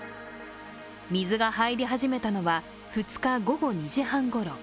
水が入り始めたのは２日午後２時半ごろ。